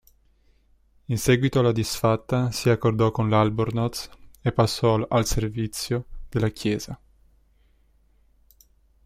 In seguito alla disfatta, si accordò con l'Albornoz e passò al servizio della Chiesa.